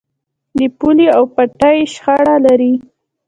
د پولې او پټي شخړه لرئ؟